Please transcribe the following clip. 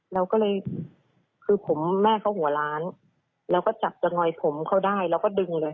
เราก็เลยคือผมแม่เขาหัวล้านแล้วก็จับจะงอยผมเขาได้แล้วก็ดึงเลย